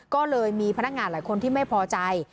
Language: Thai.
ก็เลยมีพนักงานหลายคนที่ไม่พอใจ